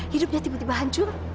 hidupnya tiba tiba hancur